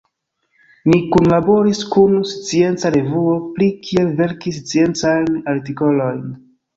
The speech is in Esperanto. Ni kunlaboris kun scienca revuo pri kiel verki sciencajn artikolojn.